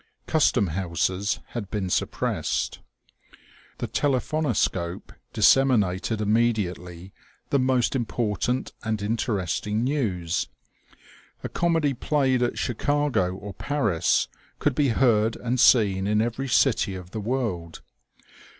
Custom houses had been suppressed. The telephonoscope disseminated immediately the most important and interesting news. A comedy played at Chicago or Paris could be heard and seen in every city of the world.